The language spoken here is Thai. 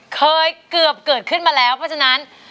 เกือบเกิดขึ้นมาแล้วเพราะฉะนั้น